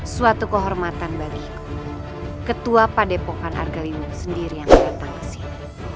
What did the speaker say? suatu kehormatan bagiku ketua padepokan argalindung sendiri yang datang ke sini